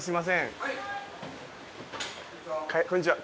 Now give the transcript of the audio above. こんにちは。